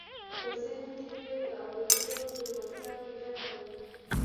په ذهن کې به یې د اورېدو لېوالتیا پیدا کړم